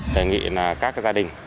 đề nghị các gia đình